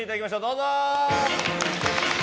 どうぞ！